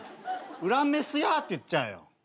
「うらメスや」って言っちゃうよ。